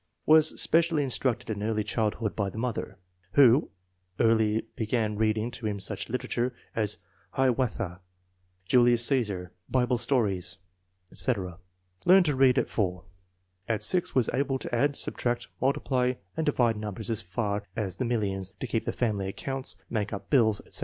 Was specially instructed in early childhood by the mother, who early began reading to him such literature as Hiawatha, Julius C&sar, Bible Stories, etc. Learned to read at 4. At 6 was able to add, subtract, multiply and divide numbers as far as the millions, to keep the family accounts, make up bilfe, etc.